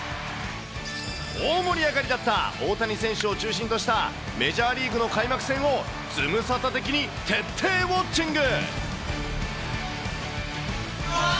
大盛り上がりだった、大谷選手を中心としたメジャーリーグの開幕戦を、ズムサタ的に徹底ウォッチング。